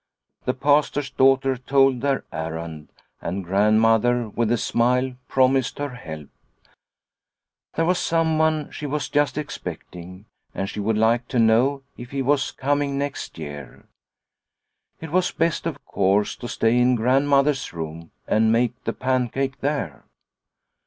The Pastor's daughter told their errand, and Grandmother, with a smile, promised her help. There was someone she was just expecting, and she would like to know if he was coming next year. It was best, of course, to stay in Grand mother's room and make the pancake there.